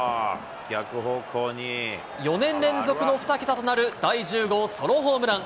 ４年連続の２桁となる第１０号ソロホームラン。